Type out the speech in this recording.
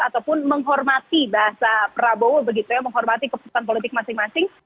ataupun menghormati bahasa prabowo begitu ya menghormati keputusan politik masing masing